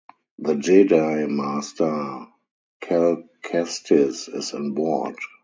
The Jedi Master, Cal Kestis is onboard.